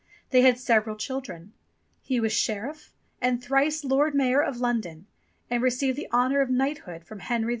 They had several children. He was Sheriff, and thrice Lord Mayor of London, and received the honour of knighthood from Henry V.